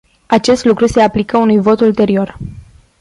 Acest lucru se aplică unui vot ulterior.